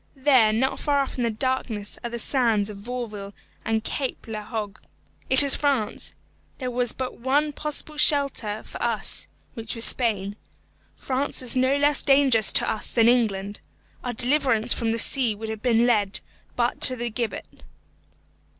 There, not far off in the darkness, are the sands of Vauville and Cape la Hogue. It is France. There was but one possible shelter for us, which was Spain. France is no less dangerous to us than England. Our deliverance from the sea would have led but to the gibbet.